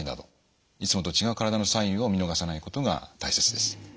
いつもと違う体のサインを見逃さないことが大切です。